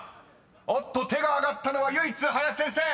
［おっと⁉手が挙がったのは唯一林先生！